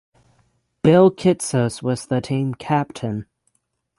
Bill Kitsos was the team captain.